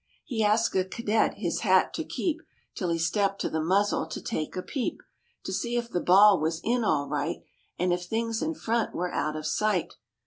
He asked a cadet his hat to keep Till he stepped to the muzzle to take a peep To see if the ball was in all right, And if things in front were out of sight.